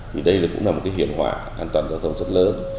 thì đây cũng là một cái hiểm họa an toàn giao thông rất lớn